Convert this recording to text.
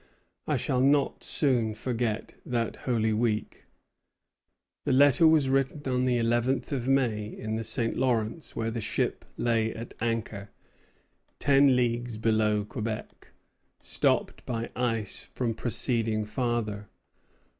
I shall not soon forget that Holy Week." This letter was written on the eleventh of May, in the St. Lawrence, where the ship lay at anchor, ten leagues below Quebec, stopped by ice from proceeding farther.